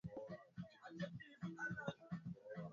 Geuza chapati upande wa pili weka ili uive